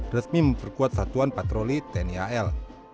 resmi memperkuat satuan patroli tni al